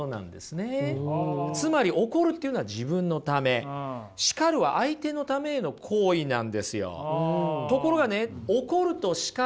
つまり怒るっていうのは自分のため叱るは相手のためへの行為なんですよ。